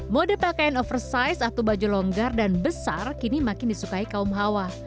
mode pakaian oversize atau baju longgar dan besar kini makin disukai kaum hawa